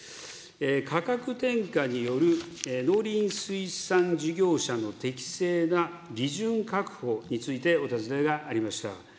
価格転嫁による農林水産事業者の適正な利潤確保についてお尋ねがありました。